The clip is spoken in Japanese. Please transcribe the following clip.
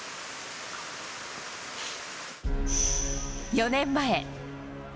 ４年前。